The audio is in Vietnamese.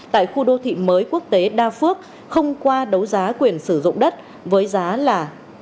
tại khu đô thị mới quốc tế đa phước không qua đấu giá quyền sử dụng đất với giá là